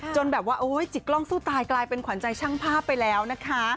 แบบว่าจิกกล้องสู้ตายกลายเป็นขวัญใจช่างภาพไปแล้วนะคะ